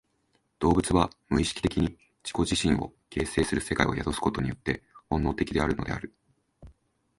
動物は無意識的に自己自身を形成する世界を宿すことによって本能的であるのである。